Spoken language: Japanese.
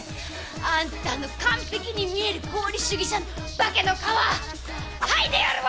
アンタの完璧に見える合理主義者の化けの皮はいでやるわ！！